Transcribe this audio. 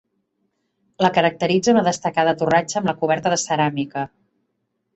La caracteritza una destacada torratxa amb la coberta de ceràmica.